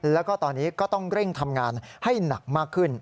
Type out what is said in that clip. แล้วก็ตอนนี้ก็ต้องเร่งทำงานให้หนักมากขึ้น